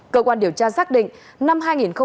cơ quan điều tra xác định năm hai nghìn một mươi chín